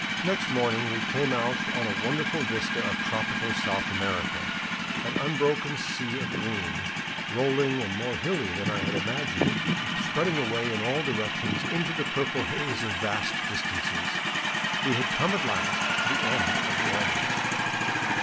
Next morning we came out on a wonderful vista of tropical South America, an unbroken sea of green, rolling and more hilly than I had imagined it, spreading away in all directions into the purple haze of vast distances. We had come at last to the end of the Andes.